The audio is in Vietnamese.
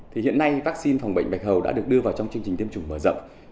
thì hiện nay vaccine phòng bệnh bạch hầu đã được đưa vào trong chương trình tiêm chủng mở rộng